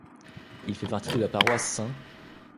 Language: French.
Il fait partie de la Paroisse St.